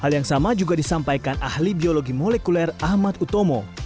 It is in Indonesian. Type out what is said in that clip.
hal yang sama juga disampaikan ahli biologi molekuler ahmad utomo